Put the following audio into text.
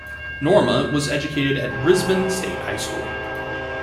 Norma was educated at Brisbane State High School.